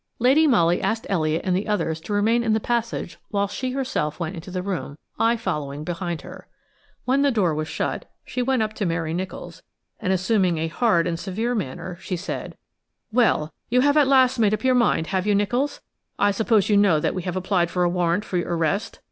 Lady Molly asked Elliott and the others to remain in the passage whilst she herself went into the room, I following behind her. When the door was shut, she went up to Mary Nicholls, and assuming a hard and severe manner, she said: "Well, you have at last made up your mind, have you, Nicholls? I suppose you know that we have applied for a warrant for your arrest?"